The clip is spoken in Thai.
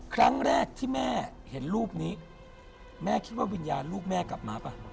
ครั้งแรกที่แม่เห็นรูปนี้แม่คิดว่าวิญญาณลูกแม่กลับมาป่ะ